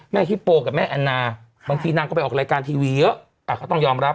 ฮิปโปกับแม่แอนนาบางทีนางก็ไปออกรายการทีวีเยอะเขาต้องยอมรับ